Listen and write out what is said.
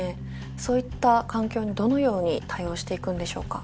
そういった環境にどのように対応していくんでしょうか？